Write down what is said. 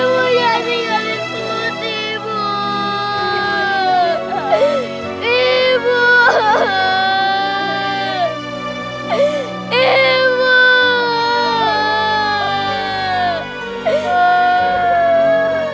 saya meninggalin putih bu ibu ibu